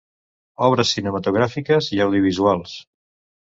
Obres cinematogràfiques i audiovisuals.